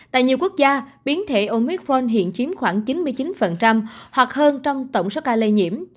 tại nhiều quốc gia biến thể omicron hiện chiếm khoảng chín mươi chín hoặc hơn trong tổng số ca lây nhiễm